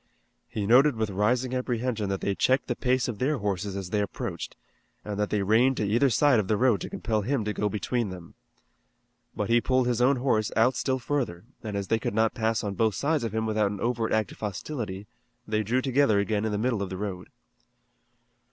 He noted with rising apprehension that they checked the pace of their horses as they approached, and that they reined to either side of the road to compel him to go between them. But he pulled his own horse out still further, and as they could not pass on both sides of him without an overt act of hostility they drew together again in the middle of the road.